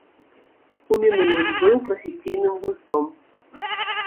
У мінулым быў прафесійным гульцом.